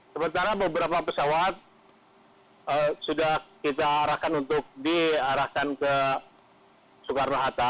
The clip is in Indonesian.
sementara beberapa pesawat sudah kita arahkan untuk diarahkan ke soekarno hatta